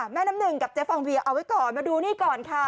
แม่น้ำหนึ่งกับเจ๊ฟองเวียเอาไว้ก่อนมาดูนี่ก่อนค่ะ